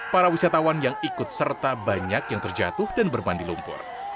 para wisatawan yang ikut serta banyak yang terjatuh dan bermandi lumpur